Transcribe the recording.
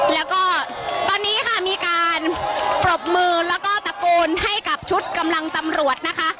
แล้วก็ตอนนี้ค่ะมีการปรบมือแล้วก็ตะโกนให้กับชุดกำลังตำรวจนะคะ